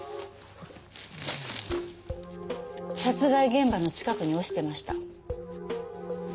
殺害現場の近くに落ちてました。